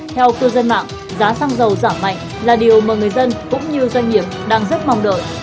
theo cư dân mạng giá xăng dầu giảm mạnh là điều mà người dân cũng như doanh nghiệp đang rất mong đợi